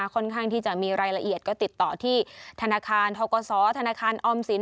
ค่อนข้างที่จะมีรายละเอียดก็ติดต่อที่ธนาคารทกศธนาคารออมสิน